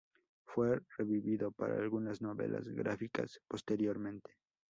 Fue revivido para algunas novelas gráficas posteriormente.